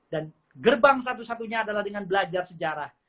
dan gerbang satu satunya adalah dengan belajar sejarah